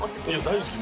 大好き。